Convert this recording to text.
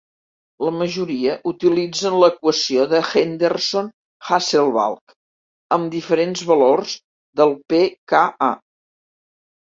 La majoria utilitzen l'equació de Henderson-Hasselbalch amb diferents valors de pKA.